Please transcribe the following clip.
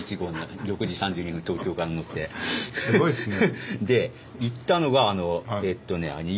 すごいですね。